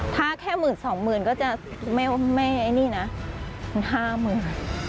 ถ้าแค่หมื่นสองหมื่นก็จะไม่ไอ้นี่นะ๕๐๐๐บาท